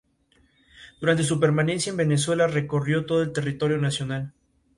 El fabricante de la ropa es la firma danesa Hummel.